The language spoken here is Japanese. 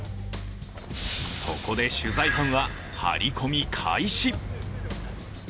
そこで取材班は、ハリコミ開始。